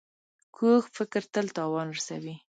کوږ فکر تل تاوان رسوي